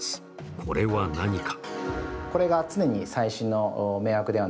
これは何か？